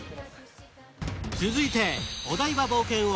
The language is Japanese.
続いてお台場冒険王